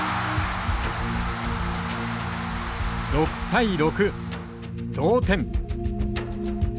６対６同点。